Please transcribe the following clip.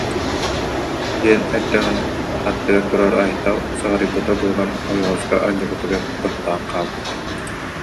диэн эрдэҕинэ аттыгар турар Айтал сыҕарыйбыта буолан, ойоҕоско анньыбытыгар тохтоон хаалбыта